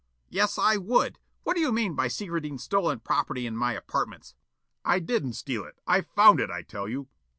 "Yes, I would. What do you mean by secreting stolen property in my apartments?" "I didn't steal it. I found it, I tell you."